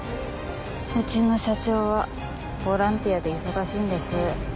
うちの社長はボランティアで忙しいんです。